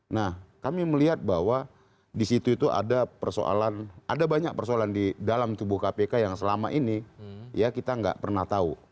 nah kami melihat bahwa di situ itu ada persoalan ada banyak persoalan di dalam tubuh kpk yang selama ini ya kita nggak pernah tahu